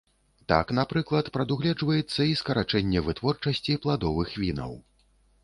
Так, напрыклад, прадугледжваецца і скарачэнне вытворчасці пладовых вінаў.